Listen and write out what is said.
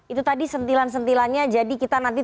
itu tadi sentilan sentilannya jadi kita nanti